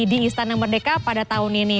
di istana merdeka pada tahun ini